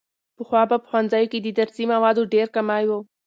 پخوا به په ښوونځیو کې د درسي موادو ډېر کمی و.